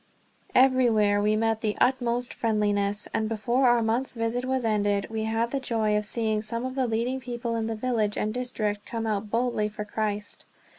Everywhere we met with the utmost friendliness, and before our month's visit was ended we had the joy of seeing some of the leading people in the village and district come out boldly for Christ.